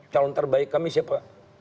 calon terbaik kami siapa